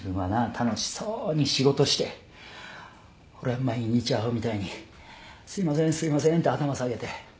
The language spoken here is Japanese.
楽しそうに仕事して俺は毎日アホみたいにすいませんすいませんって頭下げて。